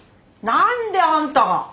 何であんたが！？